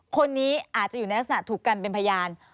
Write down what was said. คนนี้อาจจะอยู่ในลักษณะถูกกันเป็นพยาน